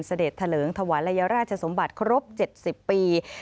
เสด็จเถลิงถวาลัยราชสมบัติครบ๗๐ปี